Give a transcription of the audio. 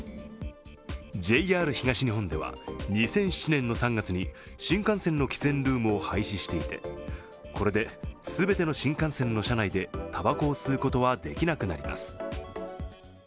ＪＲ東日本では２００７年の３月に新幹線の喫煙ルームを廃止していて、これで全ての新幹線の車内で、たばこを吸うことはできなくなります。